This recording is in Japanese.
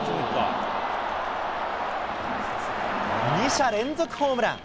２者連続ホームラン。